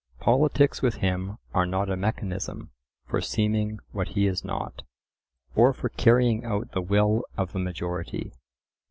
Politics with him are not a mechanism for seeming what he is not, or for carrying out the will of the majority.